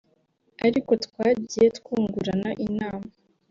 ariko twagiye twungurana inama